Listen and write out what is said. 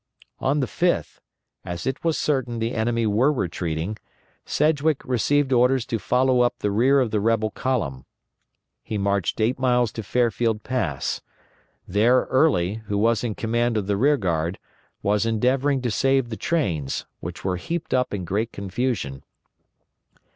_ On the 5th, as it was certain the enemy were retreating, Sedgwick received orders to follow up the rear of the rebel column. He marched eight miles to Fairfield Pass. There Early, who was in command of the rear guard, was endeavoring to save the trains, which were heaped up in great confusion.